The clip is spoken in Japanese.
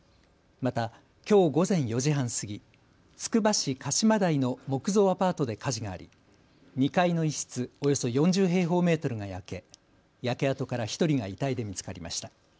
また、きょう午前４時半過ぎ、つくば市鹿島台の木造アパートで火事があり２階の一室およそ４０平方メートルが焼け、焼け跡から１人が遺体で見つかりました。